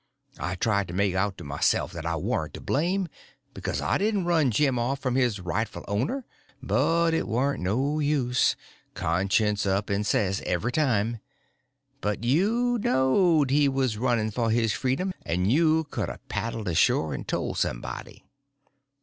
I tried to make out to myself that I warn't to blame, because I didn't run Jim off from his rightful owner; but it warn't no use, conscience up and says, every time, "But you knowed he was running for his freedom, and you could a paddled ashore and told somebody."